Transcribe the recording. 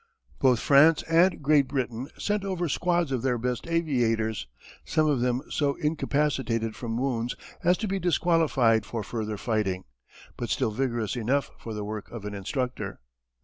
Both France and Great Britain sent over squads of their best aviators, some of them so incapacitated from wounds as to be disqualified for further fighting, but still vigorous enough for the work of an instructor.